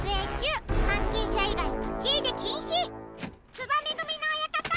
つばめぐみの親方！